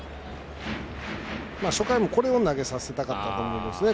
初回も、これを投げさせたかったと思いますね